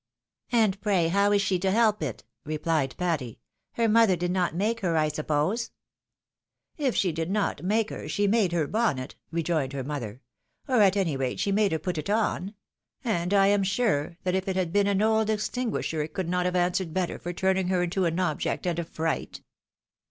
" And pray how is she to help it ?" replied Patty. " Her mother did not make her, I suppose ?"" K she did not make her, she made her bonnet," rejoined her mother, " or at any rate she made her put it on ; and I am sure that if it had been an old extinguisher it could not have answered better for turning her into an object and a fright."